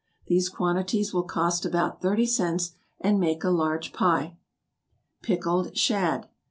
These quantities will cost about thirty cents, and make a large pie. =Pickled Shad.